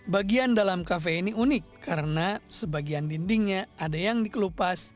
bagian dalam kafe ini unik karena sebagian dindingnya ada yang dikelupas